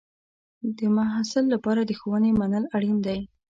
د محصل لپاره د ښوونې منل اړین دی.